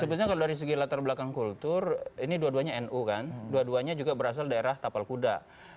sebetulnya kalau dari segi latar belakang kultur ini dua duanya nu kan dua duanya juga berasal dari tapal kuda